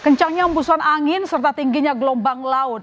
kencangnya embusan angin serta tingginya gelombang laut